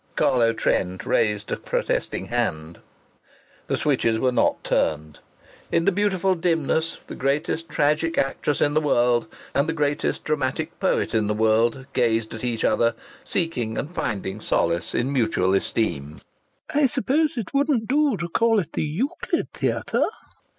Carlo Trent raised a protesting hand. The switches were not turned. In the beautiful dimness the greatest tragic actress in the world and the greatest dramatic poet in the world gazed at each other, seeking and finding solace in mutual esteem. "I suppose it wouldn't do to call it the Euclid Theatre?"